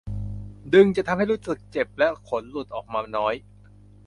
ดึงจะทำให้รู้สึกเจ็บและขนหลุดออกมาน้อย